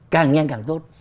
càng nhanh càng tốt